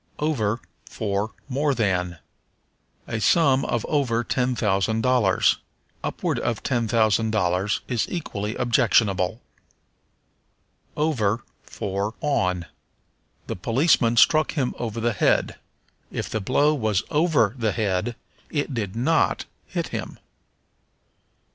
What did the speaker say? Over for More than. "A sum of over ten thousand dollars." "Upward of ten thousand dollars" is equally objectionable. Over for On. "The policeman struck him over the head." If the blow was over the head it did not hit him.